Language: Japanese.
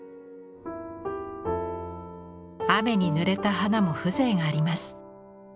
雨にぬれた花も風情があります。